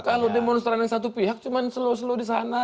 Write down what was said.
kalau demonstrasi satu pihak cuma slow slow di sana